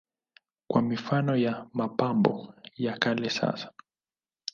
Kuna mifano ya mapambo ya kale sana.